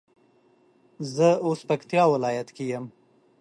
زه اوس پکتيا ولايت کي يم